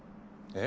え？